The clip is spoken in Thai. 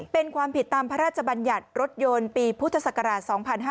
เป็นความผิดตามพระราชบัญญัติรถยนต์ปีพุทธศักราช๒๕๕๙